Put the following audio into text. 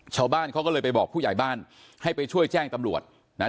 ชาวบ้านเขาก็เลยไปบอกผู้ใหญ่บ้านให้ไปช่วยแจ้งตำรวจนะฮะ